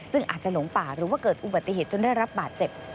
ซึ่งอาจจะหลงป่าหรือว่าเกิดอุบัติเหตุจนได้รับบาดเจ็บ